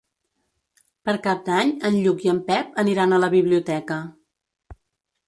Per Cap d'Any en Lluc i en Pep aniran a la biblioteca.